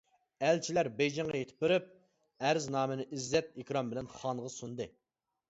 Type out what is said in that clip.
ئەلچىلەر بېيجىڭغا يېتىپ بېرىپ، ئەرزنامىنى ئىززەت-ئىكرام بىلەن خانغا سۇندى.